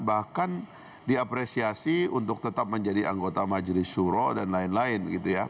bahkan diapresiasi untuk tetap menjadi anggota majelis syuro dan lain lain